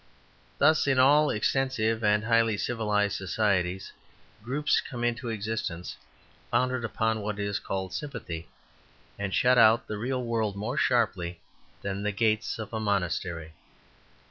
Thus in all extensive and highly civilized societies groups come into existence founded upon what is called sympathy, and shut out the real world more sharply than the gates of a monastery.